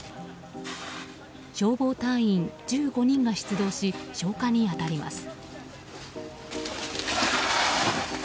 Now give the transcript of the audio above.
消防隊員１５人が出動し消火に当たります。